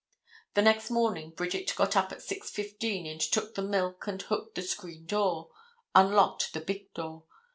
The next morning Bridget got up at 6:15 and took in the milk and hooked the screen door, unlocked the big door.